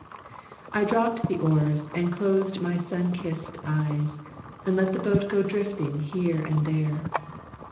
I dropped the oars, and closed my sun kissed eyes, And let the boat go drifting here and there.